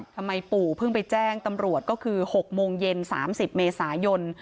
ปู่เพิ่งไปแจ้งตำรวจก็คือ๖โมงเย็น๓๐เมษายน